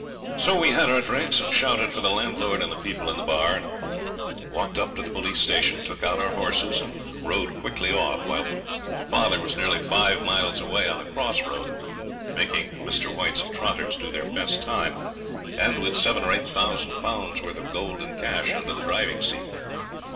So we had our drinks, and shouted for the landlord and the people in the bar; walked up to the police station, took out our horses, and rode quickly off, while father was nearly five miles away on a cross road, making Mr. White's trotters do their best time, and with seven or eight thousand pounds' worth of gold and cash under the driving seat.